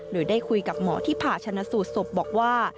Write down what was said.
โดยได้คุยกับหมอที่ผ่าชนะสูตรศพบอกว่า